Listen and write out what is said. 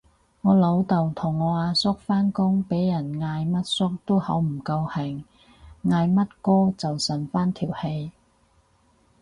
我老豆同我阿叔返工俾人嗌乜叔都好唔高興，嗌乜哥就順返條氣